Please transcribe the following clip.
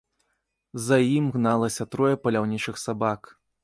За ім гналася трое паляўнічых сабак.